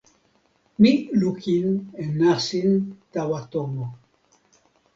mi lukin e nasin tawa tomo.